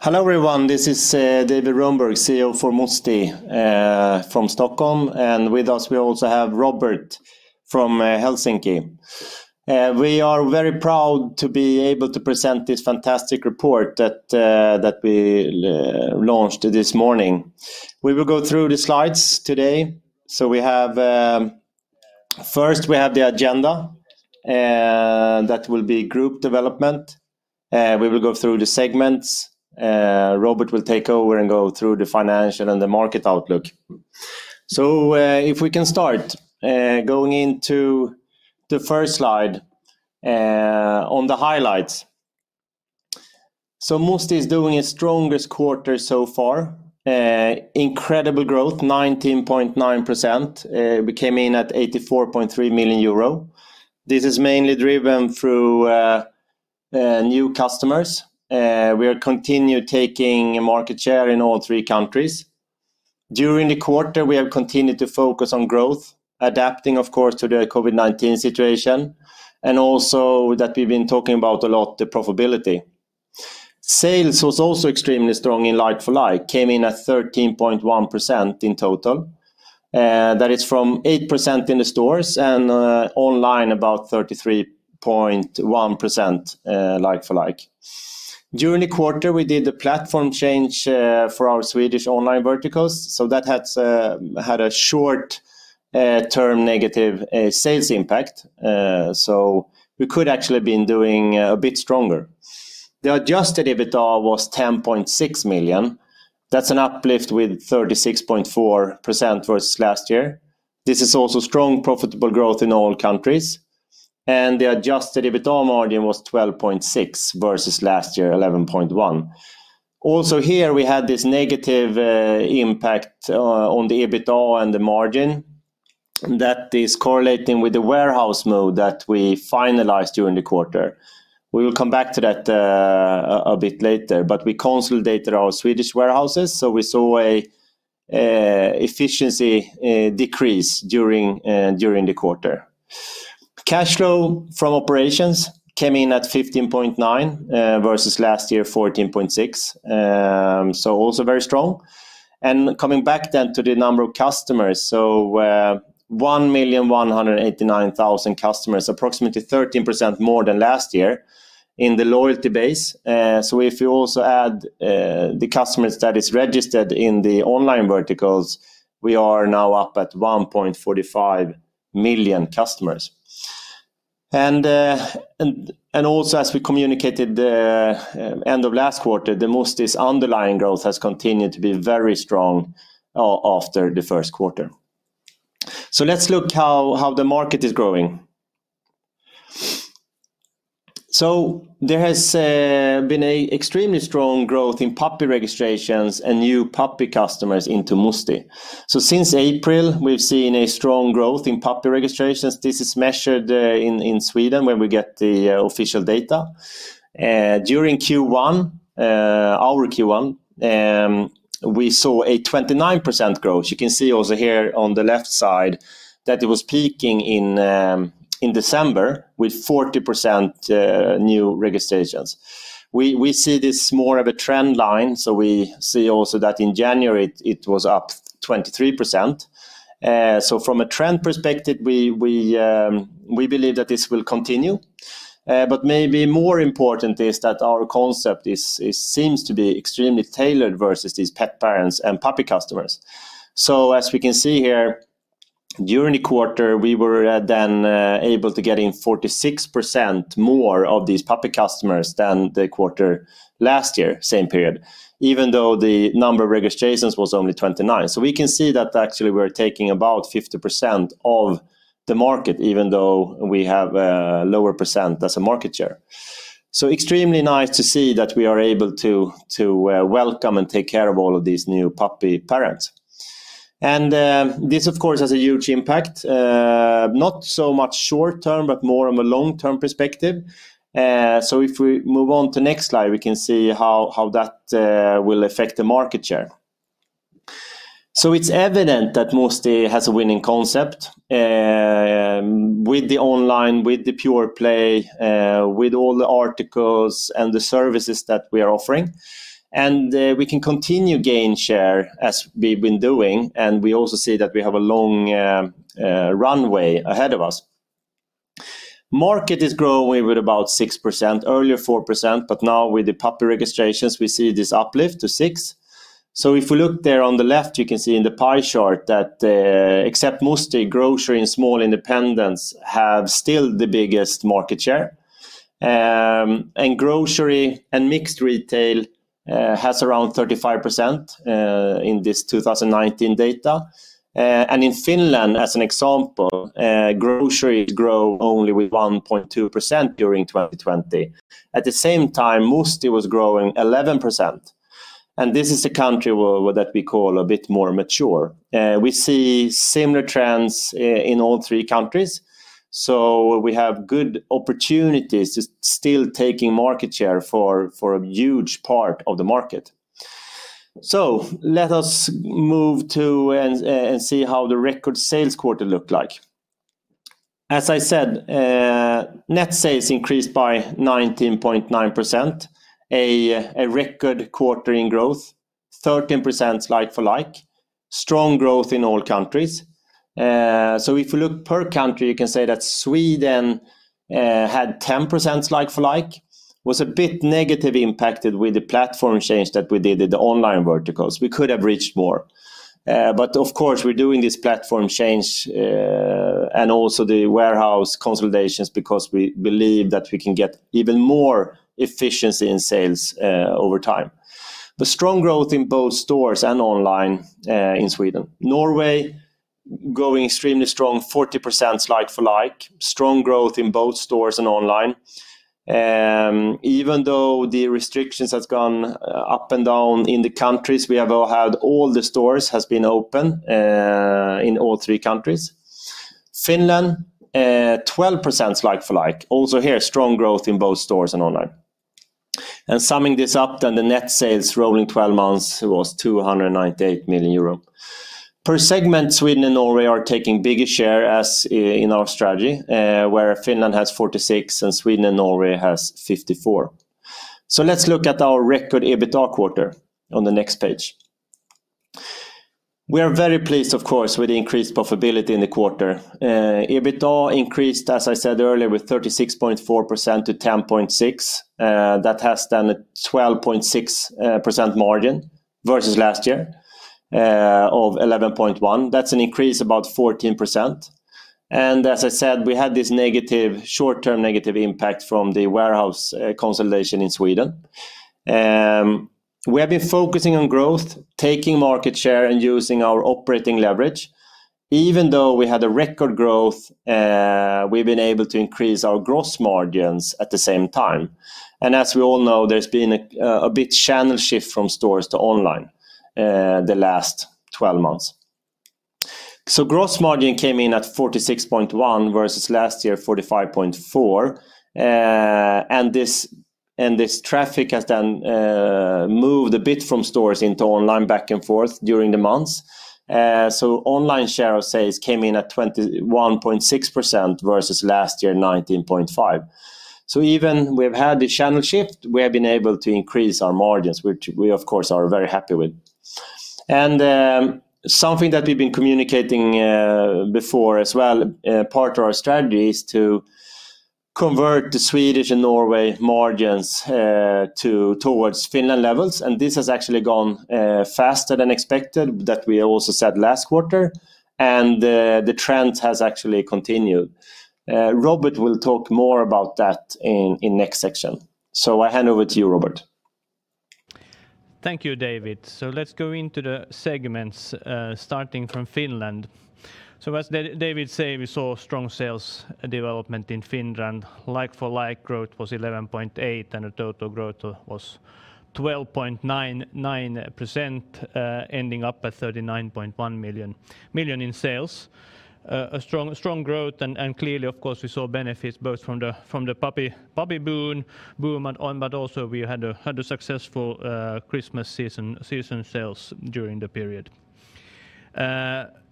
Hello, everyone. This is David Rönnberg, CEO for Musti from Stockholm, and with us, we also have Robert from Helsinki. We are very proud to be able to present this fantastic report that we launched this morning. We will go through the slides today. First, we have the agenda that will be group development. We will go through the segments. Robert will take over and go through the financial and the market outlook. If we can start, going into the first slide on the highlights. Musti is doing its strongest quarter so far. Incredible growth, 19.9%. We came in at 84.3 million euro. This is mainly driven through new customers. We are continue taking market share in all three countries. During the quarter, we have continued to focus on growth, adapting, of course, to the COVID-19 situation, and also that we've been talking about a lot, the profitability. Sales was also extremely strong in like-for-like, came in at 13.1% in total. That is from 8% in the stores and online about 33.1% like-for-like. During the quarter, we did the platform change for our Swedish online verticals. That had a short-term negative sales impact. We could actually been doing a bit stronger. The adjusted EBITDA was 10.6 million. That's an uplift with 36.4% versus last year. This is also strong profitable growth in all countries, and the adjusted EBITDA margin was 12.6% versus last year, 11.1%. Also here we had this negative impact on the EBITDA and the margin that is correlating with the warehouse move that we finalized during the quarter. We will come back to that a bit later, but we consolidated our Swedish warehouses, so we saw a efficiency decrease during the quarter. Cash flow from operations came in at 15.9, versus last year, 14.6. Also very strong. Coming back to the number of customers. 1,189,000 customers, approximately 13% more than last year in the loyalty base. If you also add the customers that is registered in the online verticals, we are now up at 1.45 million customers. Also as we communicated the end of last quarter, Musti's underlying growth has continued to be very strong after the first quarter. Let's look how the market is growing. There has been an extremely strong growth in puppy registrations and new puppy customers into Musti. Since April, we've seen a strong growth in puppy registrations. This is measured in Sweden where we get the official data. During Q1, our Q1, we saw a 29% growth. You can see also here on the left side that it was peaking in December with 40% new registrations. We see this more of a trend line. We see also that in January it was up 23%. From a trend perspective, we believe that this will continue. Maybe more important is that our concept seems to be extremely tailored versus these pet parents and puppy customers. As we can see here, during the quarter, we were then able to get in 46% more of these puppy customers than the quarter last year, same period, even though the number of registrations was only 29. We can see that actually we're taking about 50% of the market, even though we have a lower percent as a market share. Extremely nice to see that we are able to welcome and take care of all of these new puppy parents. This, of course, has a huge impact, not so much short term, but more of a long-term perspective. If we move on to next slide, we can see how that will affect the market share. It's evident that Musti has a winning concept with the online, with the pure play, with all the articles and the services that we are offering, and we can continue gain share as we've been doing, and we also see that we have a long runway ahead of us. Market is growing with about 6%, earlier 4%, but now with the puppy registrations, we see this uplift to 6%. If we look there on the left, you can see in the pie chart that except Musti, grocery and small independents have still the biggest market share. Grocery and mixed retail has around 35% in this 2019 data. In Finland, as an example, grocery grow only with 1.2% during 2020. At the same time, Musti was growing 11%. This is the country that we call a bit more mature. We see similar trends in all three countries. We have good opportunities to still taking market share for a huge part of the market. Let us move to and see how the record sales quarter looked like. As I said, net sales increased by 19.9%, a record quarter in growth, 13% like-for-like, strong growth in all countries. If you look per country, you can say that Sweden had 10% like-for-like, was a bit negatively impacted with the platform change that we did at the online verticals. We could have reached more. Of course, we're doing this platform change, and also the warehouse consolidations because we believe that we can get even more efficiency in sales over time. Strong growth in both stores and online in Sweden. Norway growing extremely strong, 40% like-for-like, strong growth in both stores and online. Even though the restrictions have gone up and down in the countries, all the stores have been open in all three countries. Finland, 12% like-for-like. Also here, strong growth in both stores and online. Summing this up then, the net sales rolling 12 months was 298 million euro. Per segment, Sweden and Norway are taking bigger share as in our strategy, where Finland has 46% and Sweden and Norway has 54%. Let's look at our record EBITDA quarter on the next page. We are very pleased, of course, with the increased profitability in the quarter. EBITDA increased, as I said earlier, with 36.4% to 10.6 million. That has then a 12.6% margin versus last year of 11.1%. That's an increase about 14%. As I said, we had this short-term negative impact from the warehouse consolidation in Sweden. We have been focusing on growth, taking market share, and using our operating leverage. Even though we had a record growth, we've been able to increase our gross margins at the same time. As we all know, there's been a big channel shift from stores to online the last 12 months. Gross margin came in at 46.1% versus last year, 45.4%. This traffic has moved a bit from stores into online back and forth during the months. Online share of sales came in at 21.6% versus last year, 19.5%. Even we've had the channel shift, we have been able to increase our margins, which we of course, are very happy with. Something that we've been communicating before as well, part of our strategy is to convert the Swedish and Norway margins towards Finland levels. This has actually gone faster than expected, that we also said last quarter, and the trend has actually continued. Robert will talk more about that in next section. I hand over to you, Robert. Thank you, David. Let's go into the segments, starting from Finland. As David said, we saw strong sales development in Finland. Like-for-like growth was 11.8%, and the total growth was 12.99%, ending up at 39.1 million in sales. A strong growth, and clearly, of course, we saw benefits both from the puppy boom but also we had a successful Christmas season sales during the period.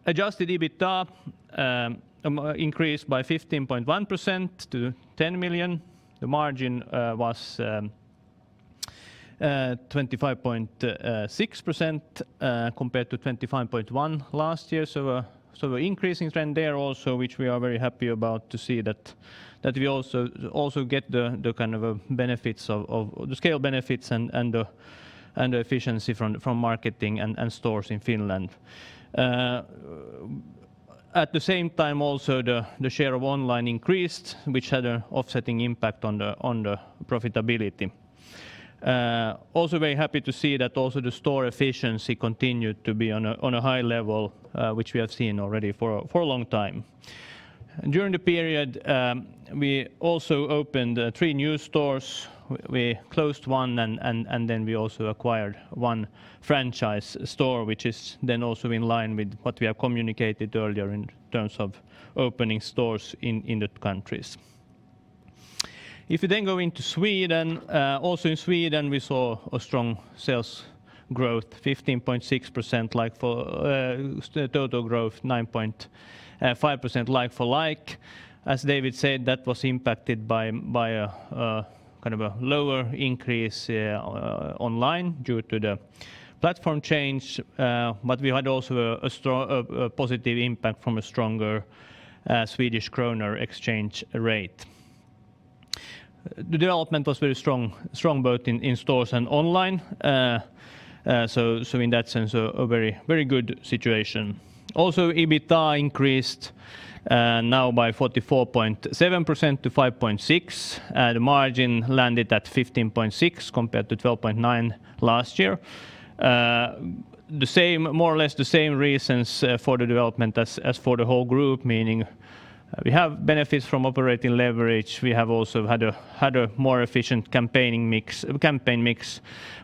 Adjusted EBITDA increased by 15.1% to 10 million. The margin was 25.6% compared to 25.1% last year. An increasing trend there also, which we are very happy about to see that we also get the scale benefits and the efficiency from marketing and stores in Finland. At the same time also, the share of online increased, which had an offsetting impact on the profitability. Very happy to see that also the store efficiency continued to be on a high level, which we have seen already for a long time. During the period, we also opened three new stores. We closed one, we also acquired one franchise store, which is then also in line with what we have communicated earlier in terms of opening stores in the countries. If you then go into Sweden, also in Sweden, we saw a strong sales growth, 15.6% total growth, 9.5% like-for-like. As David said, that was impacted by a lower increase online due to the platform change. We had also a positive impact from a stronger Swedish krona exchange rate. The development was very strong, both in stores and online. In that sense, a very good situation. EBITDA increased now by 44.7% to 5.6 million. The margin landed at 15.6% compared to 12.9% last year. More or less the same reasons for the development as for the whole group, meaning we have benefits from operating leverage. We have also had a more efficient campaign mix,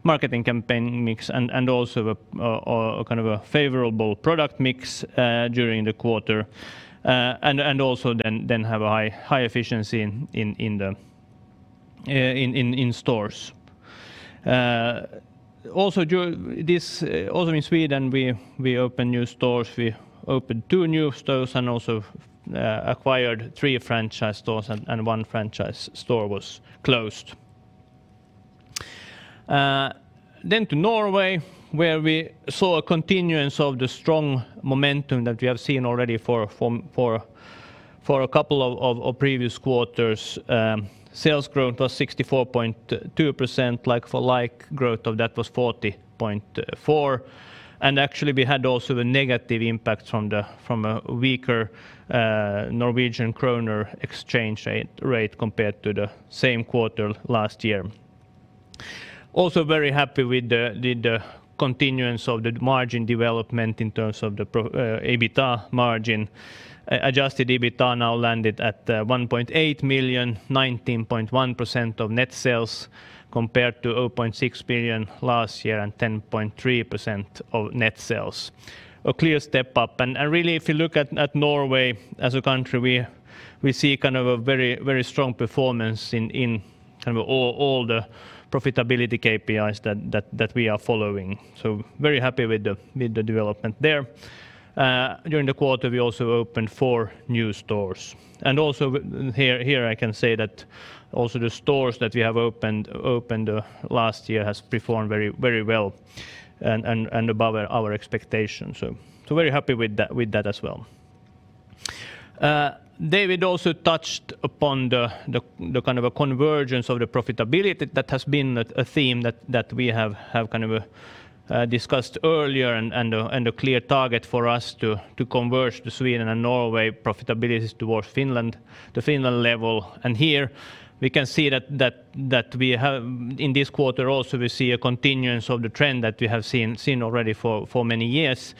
marketing campaign mix, and also a favorable product mix during the quarter. Also then have a high efficiency in the stores. Also in Sweden, we opened new stores. We opened two new stores and also acquired three franchise stores, and one franchise store was closed. To Norway, where we saw a continuance of the strong momentum that we have seen already for a couple of previous quarters. Sales growth was 64.2%, like-for-like growth of that was 40.4%. Actually, we had also the negative impact from a weaker Norwegian krone exchange rate compared to the same quarter last year. Very happy with the continuance of the margin development in terms of the EBITDA margin. Adjusted EBITDA now landed at 1.8 million, 19.1% of net sales, compared to 0.6 million last year and 10.3% of net sales. A clear step up. Really, if you look at Norway as a country, we see a very strong performance in all the profitability KPIs that we are following. Very happy with the development there. During the quarter, we also opened four new stores. Also here I can say that the stores that we have opened last year have performed very well and above our expectations. Very happy with that as well. David also touched upon the convergence of the profitability. That has been a theme that we have discussed earlier and a clear target for us to converge the Sweden and Norway profitabilities towards the Finland level. Here we can see that in this quarter, also, we see a continuance of the trend that we have seen already for many years,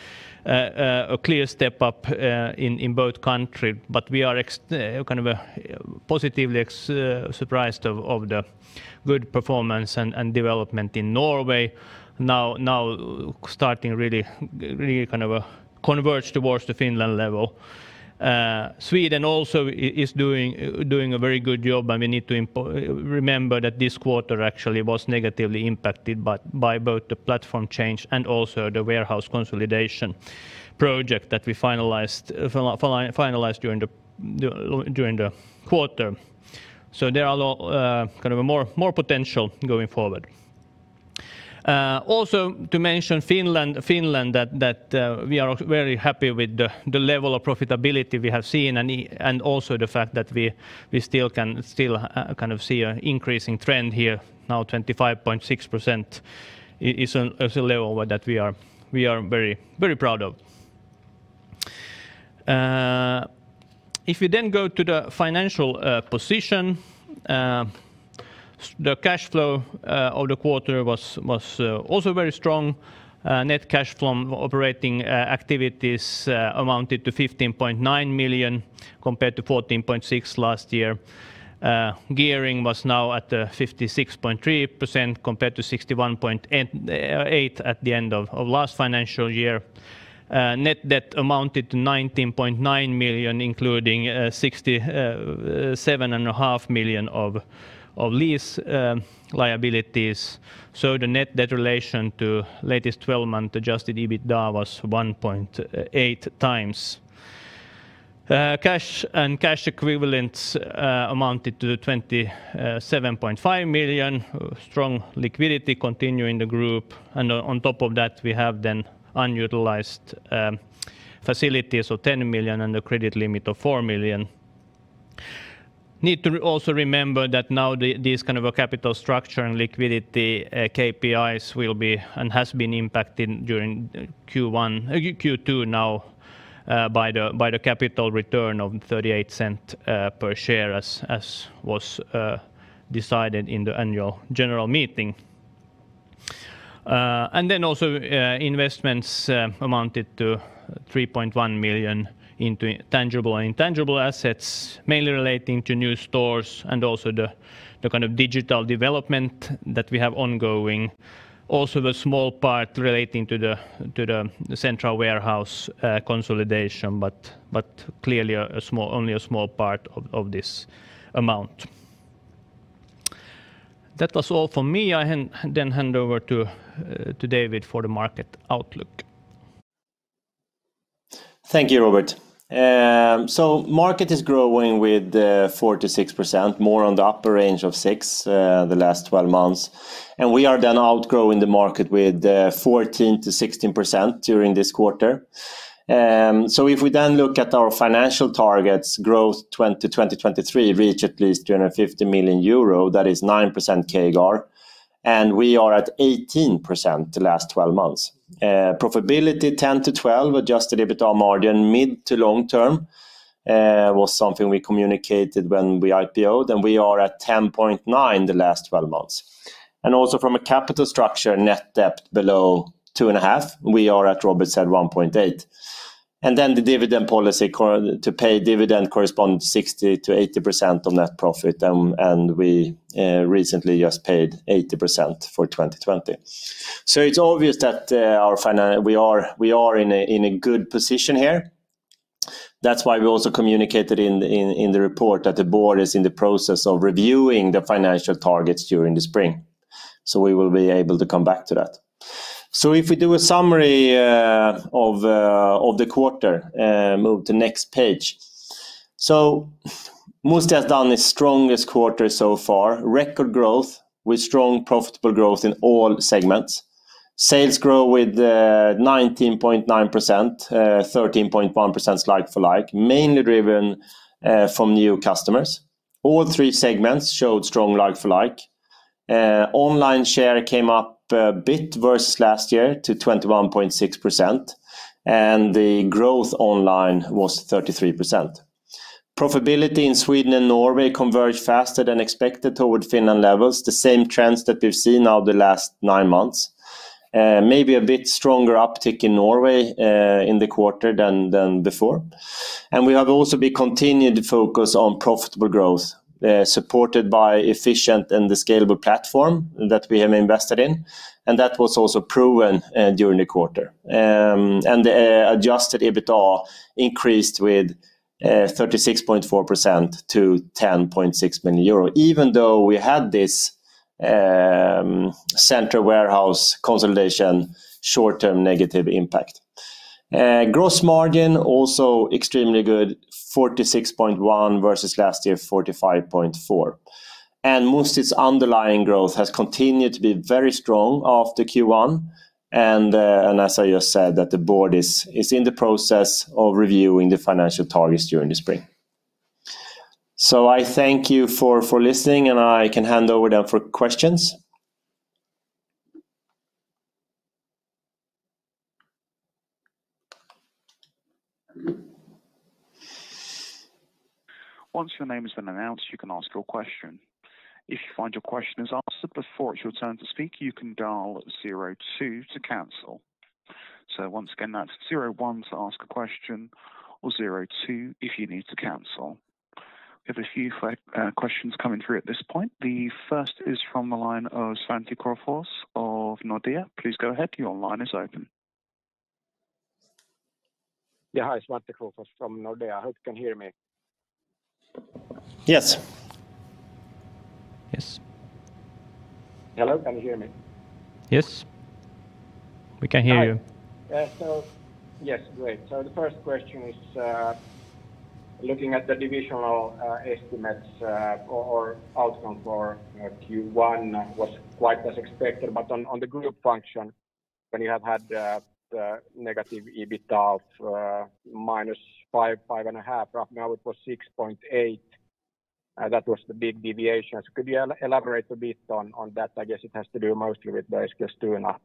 a clear step up in both countries. We are positively surprised of the good performance and development in Norway now starting really converge towards the Finland level. Sweden also is doing a very good job, and we need to remember that this quarter actually was negatively impacted by both the platform change and also the warehouse consolidation project that we finalized during the quarter. There are more potential going forward. Also, to mention Finland, that we are very happy with the level of profitability we have seen and also the fact that we can still see an increasing trend here. Now 25.6% is a level that we are very proud of. If you then go to the financial position, the cash flow of the quarter was also very strong. Net cash from operating activities amounted to 15.9 million compared to 14.6 million last year. Gearing was now at 56.3% compared to 61.8% at the end of last financial year. Net debt amounted to 19.9 million, including 7.5 million of lease liabilities. The net debt relation to latest 12-month adjusted EBITDA was 1.8x. Cash and cash equivalents amounted to 27.5 million. Strong liquidity continuing the group. On top of that, we have then unutilized facilities of 10 million and a credit limit of 4 million. Need to also remember that now this kind of a capital structure and liquidity KPIs will be, and has been impacted during Q2 now by the capital return of 0.38 per share as was decided in the Annual General Meeting. Also investments amounted to 3.1 million into tangible and intangible assets, mainly relating to new stores and also the kind of digital development that we have ongoing. The small part relating to the central warehouse consolidation, but clearly only a small part of this amount. That was all from me. I hand over to David for the market outlook. Thank you, Robert. Market is growing with 4%-6%, more on the upper range of 6% the last 12 months. We are outgrowing the market with 14%-16% during this quarter. If we look at our financial targets, growth 2023 reach at least 250 million euro, that is 9% CAGR, and we are at 18% the last 12 months. Profitability 10%-12%, adjusted EBITDA margin mid to long term was something we communicated when we IPO'd, and we are at 10.9% the last 12 months. Also from a capital structure net debt below 2.5x, we are at, Robert said, 1.8x. The dividend policy, to pay dividend correspond 60%-80% on that profit, and we recently just paid 80% for 2020. It's obvious that we are in a good position here. That's why we also communicated in the report that the board is in the process of reviewing the financial targets during the spring, we will be able to come back to that. If we do a summary of the quarter, move to next page. Musti has done its strongest quarter so far, record growth with strong profitable growth in all segments. Sales grow with 19.9%, 13.1% like-for-like, mainly driven from new customers. All three segments showed strong like-for-like. Online share came up a bit versus last year to 21.6%. The growth online was 33%. Profitability in Sweden and Norway converged faster than expected toward Finland levels, the same trends that we've seen now the last nine months. Maybe a bit stronger uptick in Norway in the quarter than before. We have also continued to focus on profitable growth, supported by efficient and the scalable platform that we have invested in, and that was also proven during the quarter. The adjusted EBITDA increased with 36.4% to 10.6 million euro, even though we had this central warehouse consolidation short-term negative impact. Gross margin also extremely good, 46.1% versus last year, 45.4%. Musti's underlying growth has continued to be very strong after Q1, and as I just said, that the board is in the process of reviewing the financial targets during the spring. I thank you for listening, and I can hand over now for questions. Once your name has been announced, you can ask your question. We have a few questions coming through at this point. The first is from the line of Svante Krokfors of Nordea. Please go ahead. Your line is open. Yeah. Hi, Svante Krokfors from Nordea. I hope you can hear me? Yes. Yes. Hello, can you hear me? Yes. We can hear you. Hi. Yes, great. The first question is, looking at the divisional estimates or outcome for Q1 was quite as expected, but on the group function, when you have had the negative EBITDA -EUR 5 million, EUR 5.5 million, roughly. I would put 6.8 million. That was the big deviation. Could you elaborate a bit on that? I guess it has to do mostly with the Eskilstuna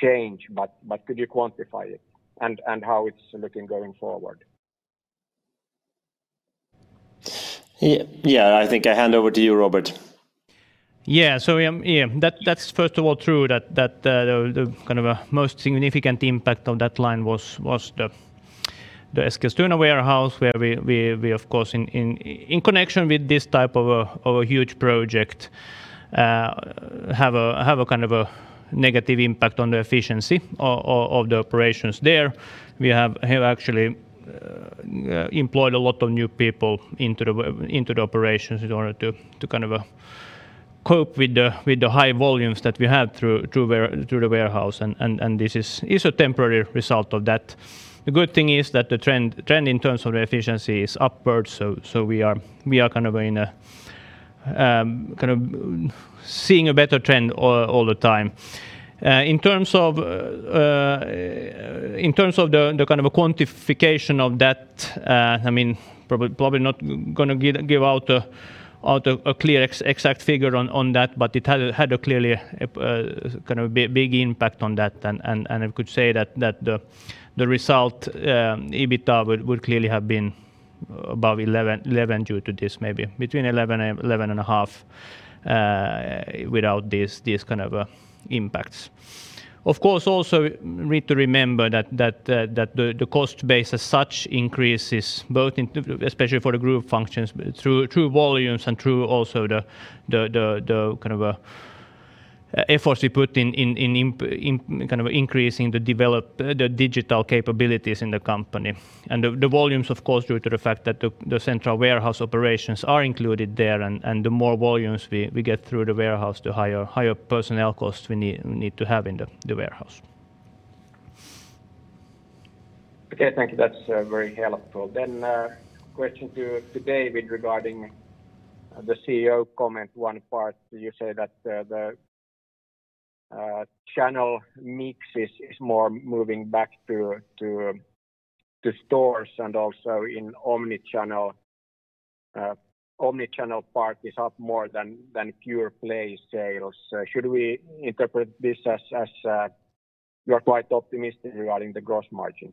change, but could you quantify it and how it's looking going forward? Yeah. I think I hand over to you, Robert. That's first of all true that the most significant impact on that line was the Eskilstuna warehouse, where we, of course, in connection with this type of a huge project, have a negative impact on the efficiency of the operations there. We have actually employed a lot of new people into the operations in order to cope with the high volumes that we had through the warehouse, and this is a temporary result of that. The good thing is that the trend in terms of the efficiency is upwards, we are seeing a better trend all the time. In terms of the quantification of that, probably not going to give out a clear, exact figure on that, but it had a clearly big impact on that, and I could say that the result, EBITDA, would clearly have been above 11 due to this, maybe between 11 and 11.5, without these kind of impacts. Of course, also we need to remember that the cost base as such increases both, especially for the group functions, through volumes and through also the efforts we put in increasing the digital capabilities in the company. The volumes, of course, due to the fact that the central warehouse operations are included there, and the more volumes we get through the warehouse, the higher personnel costs we need to have in the warehouse. Okay, thank you. That's very helpful. Question to David regarding the CEO comment. One part you say that the channel mix is more moving back to stores and also in omni-channel part is up more than pure play sales. Should we interpret this as you're quite optimistic regarding the gross margin?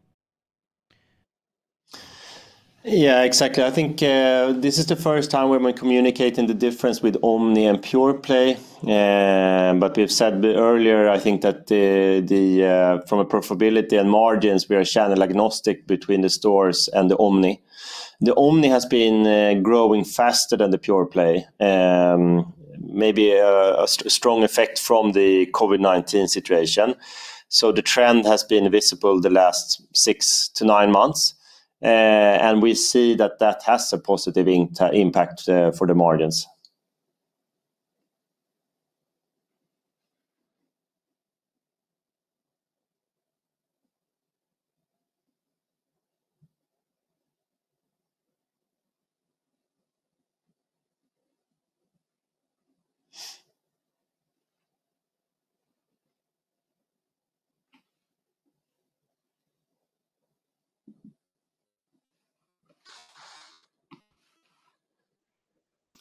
Yeah, exactly. I think this is the first time we've been communicating the difference with omni and pure play. We've said earlier, I think that from a profitability and margins, we are channel agnostic between the stores and the omni. The omni has been growing faster than the pure play. Maybe a strong effect from the COVID-19 situation. The trend has been visible the last six to nine months, and we see that has a positive impact for the margins.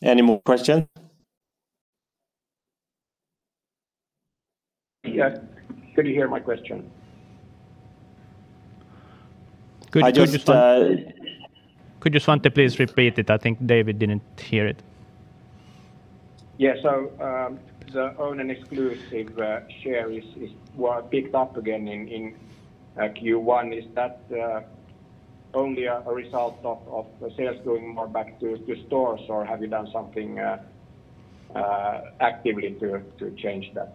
Any more questions? Yes. Could you hear my question? Could you- I just- Could you just please repeat it? I think David didn't hear it. Yeah. The own and exclusive share is what picked up again in Q1. Is that only a result of sales going more back to stores or have you done something actively to change that?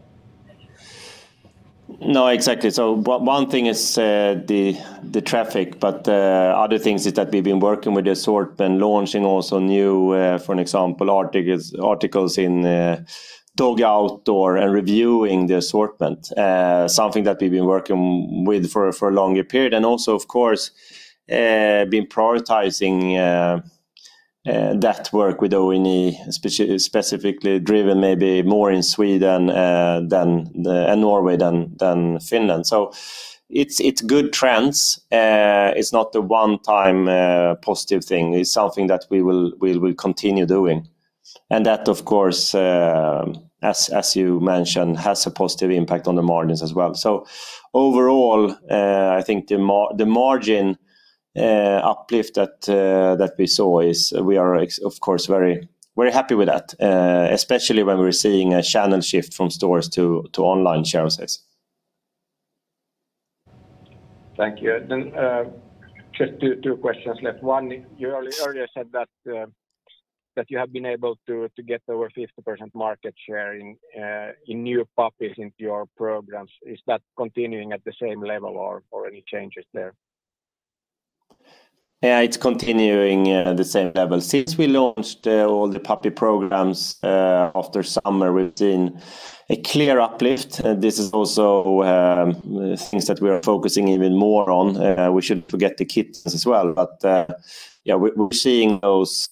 No, exactly. One thing is the traffic, but other things is that we've been working with the sort, been launching also new, for an example, articles in dog outdoor and reviewing the assortment, something that we've been working with for a longer period. Also, of course, been prioritizing that work with O&E, specifically driven maybe more in Sweden and Norway than Finland. It's good trends. It's not a one-time positive thing. It's something that we will continue doing. That, of course, as you mentioned, has a positive impact on the margins as well. Overall, I think the margin uplift that we saw is, we are of course very happy with that, especially when we're seeing a channel shift from stores to online share sales. Thank you. Just two questions left. You earlier said that you have been able to get over 50% market share in new puppies into your programs. Is that continuing at the same level or any changes there? Yeah, it's continuing at the same level. Since we launched all the puppy programs after summer, we've seen a clear uplift. This is also things that we are focusing even more on. We shouldn't forget the kittens as well. Yeah, we're seeing those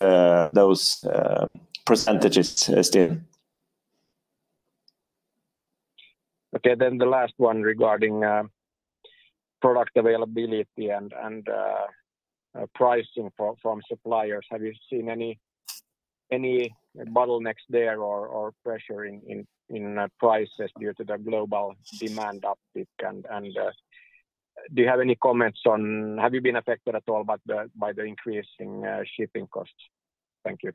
percentages still. Okay, the last one regarding product availability and pricing from suppliers. Have you seen any bottlenecks there or pressure in prices due to the global demand uptick and do you have any comments on, have you been affected at all by the increasing shipping costs? Thank you.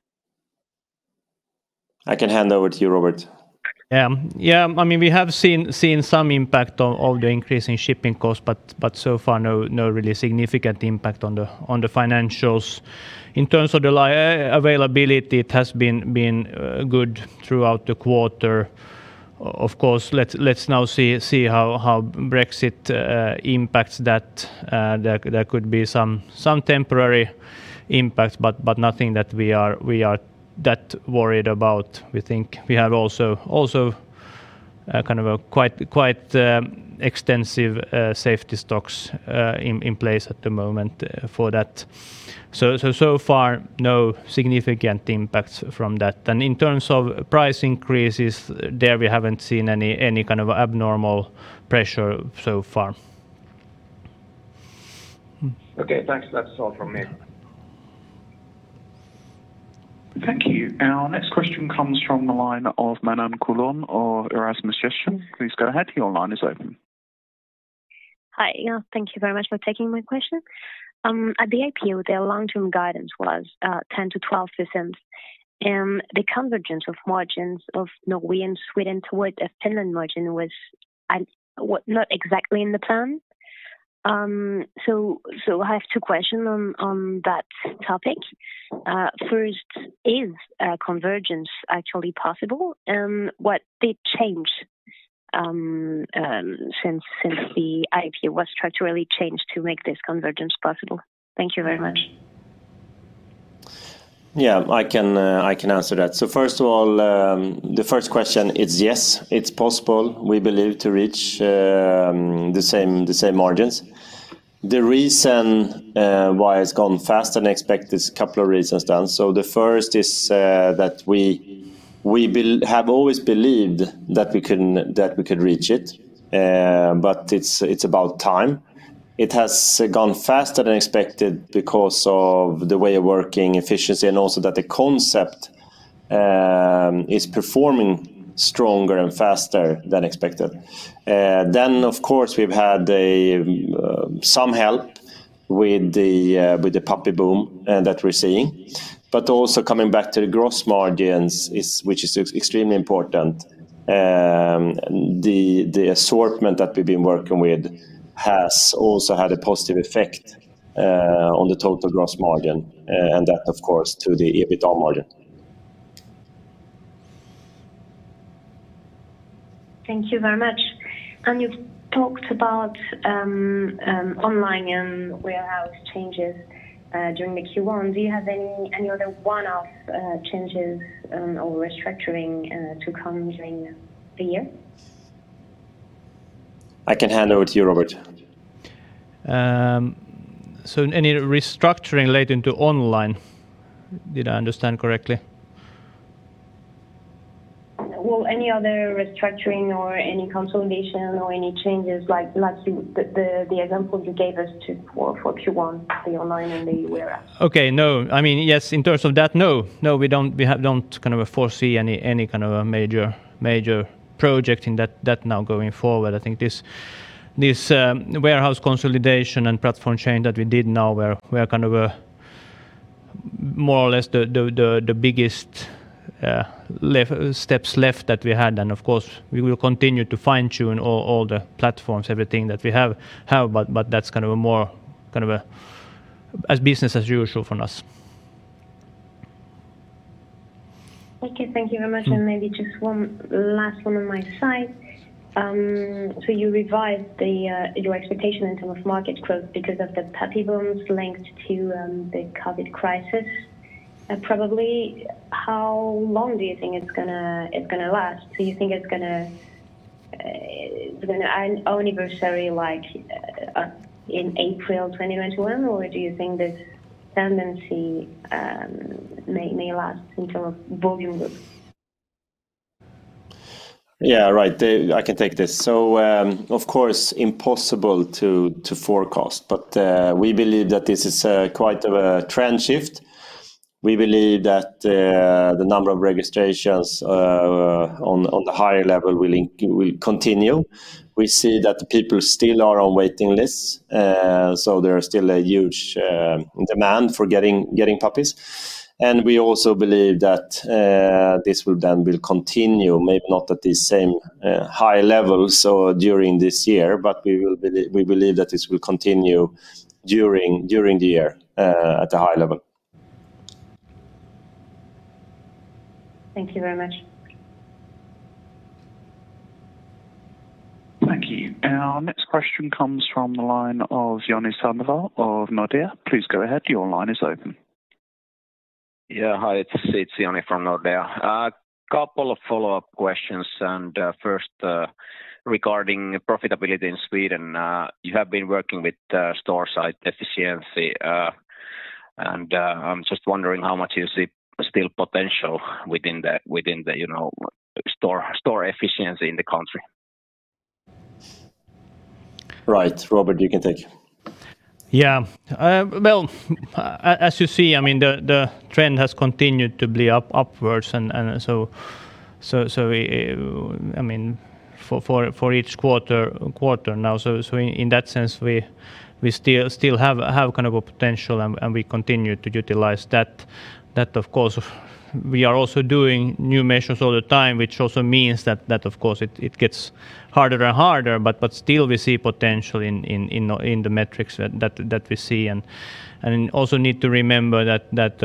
I can hand over to you, Robert. Yeah. We have seen some impact of the increase in shipping costs, so far, no really significant impact on the financials. In terms of the availability, it has been good throughout the quarter. Of course, let's now see how Brexit impacts that. There could be some temporary impact, nothing that we are that worried about. We think we have also quite extensive safety stocks in place at the moment for that. So far, no significant impacts from that. In terms of price increases, there we haven't seen any kind of abnormal pressure so far. Okay, thanks. That's all from me. Thank you. Our next question comes from the line of Manon Coulon of Erasmus Gestion. Please go ahead. Your line is open. Hi. Thank you very much for taking my question. At the IPO, their long-term guidance was 10%-12%. The convergence of margins of Norway and Sweden towards a Finland margin was not exactly in the plan. I have two questions on that topic. First, is convergence actually possible? What did change since the IPO was structurally changed to make this convergence possible? Thank you very much. Yeah, I can answer that. First of all, the first question, it's yes, it's possible we believe to reach the same margins. The reason why it's gone faster than expected is a couple of reasons. The first is that we have always believed that we could reach it, but it's about time. It has gone faster than expected because of the way of working efficiency and also that the concept is performing stronger and faster than expected. Of course, we've had some help with the puppy boom that we're seeing, but also coming back to the gross margins, which is extremely important. The assortment that we've been working with has also had a positive effect on the total gross margin and that, of course, to the EBITDA margin. Thank you very much. You've talked about online and warehouse changes during the Q1. Do you have any other one-off changes or restructuring to come during the year? I can hand over to you, Robert. Any restructuring relating to online, did I understand correctly? Well, any other restructuring or any consolidation or any changes like the example you gave us for Q1, the online and the warehouse. Okay. Yes, in terms of that, no. We don't foresee any kind of a major project in that now going forward. I think this warehouse consolidation and platform change that we did now were more or less the biggest steps left that we had. Of course, we will continue to fine-tune all the platforms, everything that we have. That's more business as usual from us. Okay. Thank you very much. Maybe just one last one on my side. You revised your expectation in terms of market growth because of the puppy boom linked to the COVID-19 crisis, probably. How long do you think it's going to last? Do you think it's going to anniversary in April 2021? Do you think this tendency may last in terms of volume growth? Yeah, right. I can take this. Of course, impossible to forecast, but we believe that this is quite of a trend shift. We believe that the number of registrations on the higher level will continue. We see that people still are on waiting lists, so there is still a huge demand for getting puppies. We also believe that this will then continue, maybe not at the same high levels during this year, but we believe that this will continue during the year at a high level. Thank you very much. Thank you. Our next question comes from the line of Joni Sandvall of Nordea. Please go ahead. Yeah. Hi, it's Joni from Nordea. A couple of follow-up questions, and first regarding profitability in Sweden. You have been working with store-side efficiency, and I'm just wondering how much you see still potential within the store efficiency in the country. Right. Robert, you can take it. Well, as you see, the trend has continued to be upwards and so for each quarter now. In that sense, we still have a potential, and we continue to utilize that. Of course, we are also doing new measures all the time, which also means that, of course, it gets harder and harder. Still, we see potential in the metrics that we see. Also need to remember that about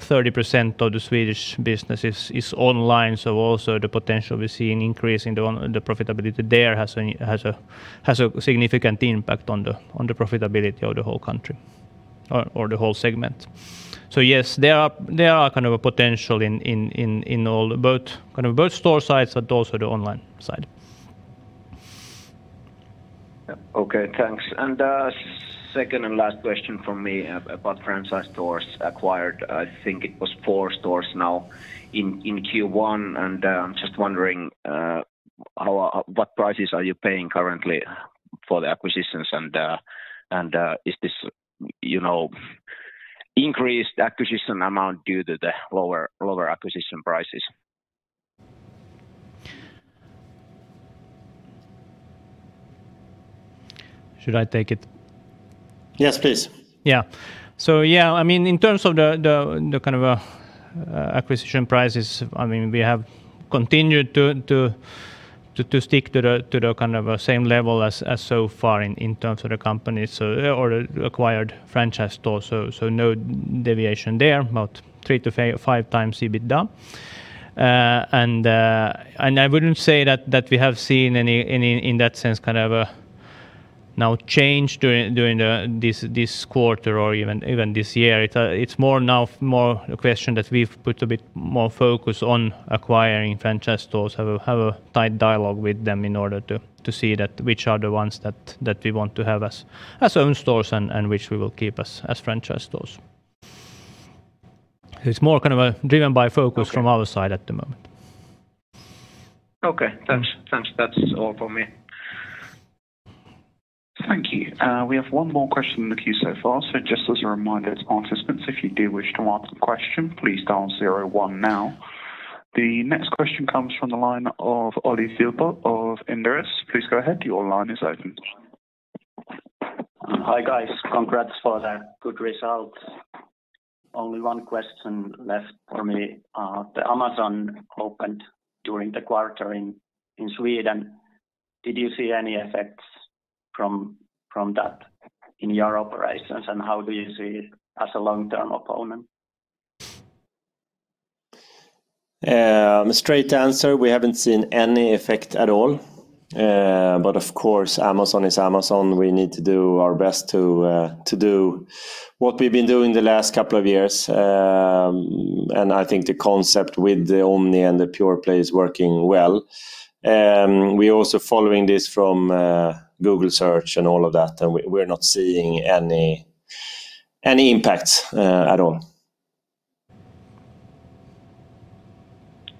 30% of the Swedish business is online, so also the potential we see in increasing the profitability there has a significant impact on the profitability of the whole country or the whole segment. Yes, there are potential in both store sides, but also the online side. Okay, thanks. Second and last question from me about franchise stores acquired. I think it was four stores now in Q1. I'm just wondering what prices are you paying currently for the acquisitions and is this increased acquisition amount due to the lower acquisition prices? Should I take it? Yes, please. In terms of the acquisition prices, we have continued to stick to the same level as so far in terms of the companies or acquired franchise stores. No deviation there, about three to five times EBITDA. I wouldn't say that we have seen any, in that sense, a change during this quarter or even this year. It's now more a question that we've put a bit more focus on acquiring franchise stores, have a tight dialogue with them in order to see which are the ones that we want to have as own stores and which we will keep as franchise stores. It's more driven by focus from our side at the moment. Okay. Thanks. That is all from me. Thank you. We have one more question in the queue so far. Just as a reminder to participants, if you do wish to ask a question. The next question comes from the line of Olli Vilppo of Inderes. Please go ahead. Hi, guys. Congrats for the good results. Only one question left for me. Amazon opened during the quarter in Sweden. Did you see any effects from that in your operations, and how do you see it as a long-term opponent? A straight answer, we haven't seen any effect at all. Of course, Amazon is Amazon. We need to do our best to do what we've been doing the last couple of years. I think the concept with the Omni and the pure play is working well. We're also following this from Google Search and all of that, and we're not seeing any impacts at all.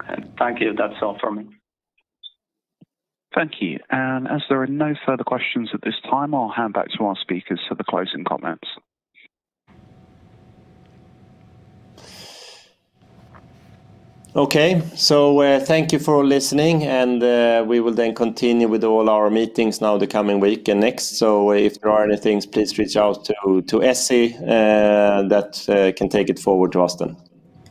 Okay. Thank you. That's all from me. Thank you. As there are no further questions at this time, I'll hand back to our speakers for the closing comments. Thank you for listening, we will continue with all our meetings now the coming week and next. If there are any things, please reach out to Essi, that can take it forward to us.